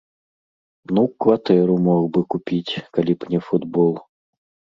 Ну, кватэру мог бы купіць, калі б не футбол.